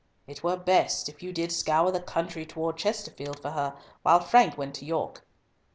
It were best if you did scour the country toward Chesterfield for her, while Frank went to York."